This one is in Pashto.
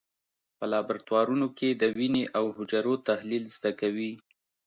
په لابراتوارونو کې د وینې او حجرو تحلیل زده کوي.